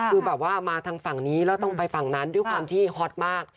คือแบบว่ามาทางฝั่งนี้แล้วต้องไปฝั่งนั้นด้วยความที่ฮอตมาก